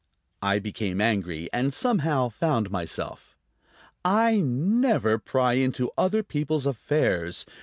I became angry, and somehow found myself. "I never pry into other people's affairs.